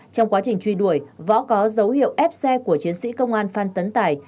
trong quá trình truy đuổi võ có dấu hiệu ép xe của chiến sĩ công an phan tấn tài